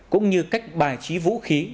cũng như cách bài trí vũ khí